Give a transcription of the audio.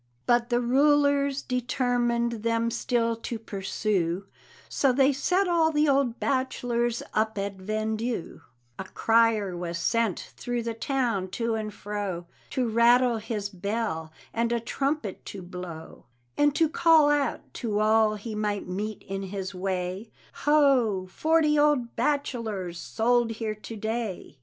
But the rulers determined them still to pursue, So they set all the old bachelors up at vendue: A crier was sent through the town to and fro, To rattle his bell and a trumpet to blow, And to call out to all he might meet in his way, "Ho! forty old bachelors sold here to day!"